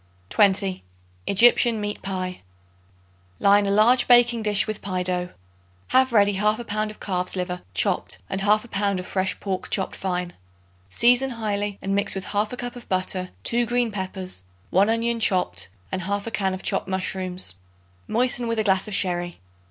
20. Egyptian Meat Pie. Line a large baking dish with pie dough. Have ready 1/2 pound of calf's liver chopped, and 1/2 pound of fresh pork chopped fine. Season highly and mix with 1/2 cup of butter, 2 green peppers, 1 onion chopped and 1/2 can of chopped mushrooms. Moisten with a glass of sherry.